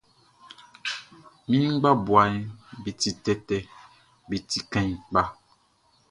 Mi ngbabuaʼm be ti tɛtɛ, be ti kaan kpa.